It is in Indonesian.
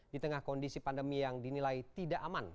di tengah kondisi pandemi yang dinilai tidak aman